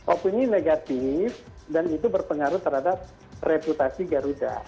opini negatif dan itu berpengaruh terhadap reputasi garuda